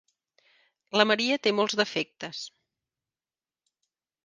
La Maria té molts defectes.